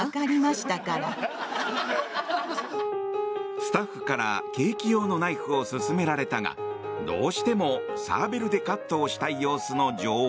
スタッフからケーキ用のナイフを勧められたがどうしてもサーベルでカットをしたい様子の女王。